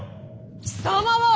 貴様は！